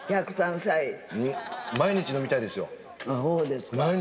毎日飲みたいですよ。